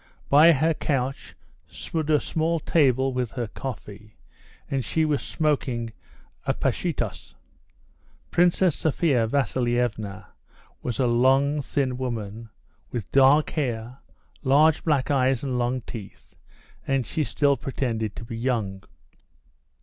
By her couch stood a small table with her coffee, and she was smoking a pachitos. Princess Sophia Vasilievna was a long, thin woman, with dark hair, large black eyes and long teeth, and still pretended to be young.